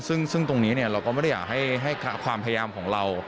ซึ่งตรงนี้เราก็ไม่ได้อยากให้ความพยายามของเรา